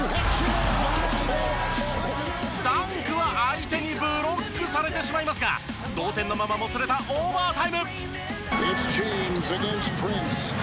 ダンクは相手にブロックされてしまいますが同点のままもつれたオーバータイム。